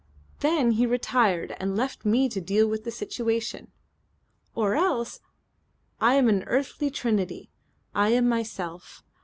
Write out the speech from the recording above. Then He retired and left me to deal with the situation.' Or else: 'I am an earthly Trinity. I am myself.